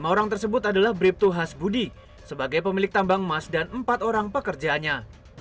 lima orang tersebut adalah bribtu hasbudi sebagai pemilik tambang emas dan empat orang pekerjaannya